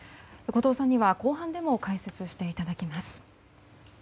後藤さんには後半にも解説していただきます。